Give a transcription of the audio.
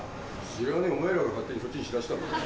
知らねえお前らが勝手にそっちにしだしたんだろ。